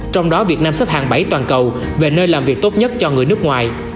trong đó việt nam xếp hàng bảy toàn cầu về nơi làm việc tốt nhất cho người nước ngoài